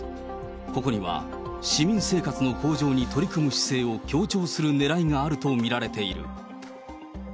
ここには、市民生活の向上に取り組む姿勢を強調するねらいがあると見られている。